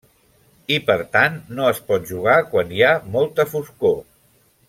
I per tant, no es pot jugar quan hi ha molta foscor.